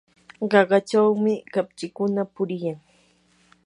qaqachawmi kapchikuna puriyan.